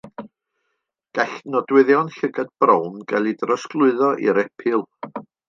Gall nodweddion llygad brown gael ei drosglwyddo i'r epil.